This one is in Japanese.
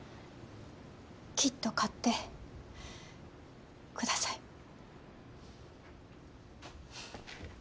きっと勝ってください。